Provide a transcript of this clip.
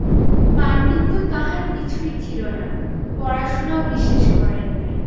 পাণ্ডিত্য তাঁহার কিছুই ছিল না, পড়াশুনাও বিশেষ করেন নাই।